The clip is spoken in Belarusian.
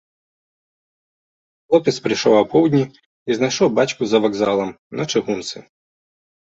Хлопец прыйшоў апоўдні і знайшоў бацьку за вакзалам, на чыгунцы.